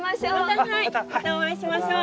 また会いましょう。